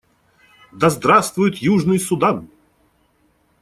Да здравствует Южный Судан!